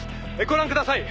「ご覧ください。